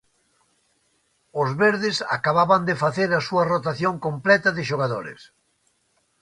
Os verdes acababan de facer a súa rotación completa de xogadores.